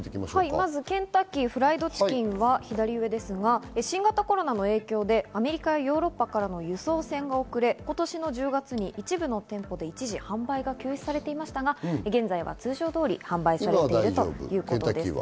まずはケンタッキーフライドチキンは新型コロナの影響でアメリカ、ヨーロッパからの輸送船が遅れ、今年の１０月に一部の店舗で一時販売が休止されていましたが、現在は通常通り販売しているということです。